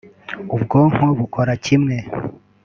ubwonko bukora kimwe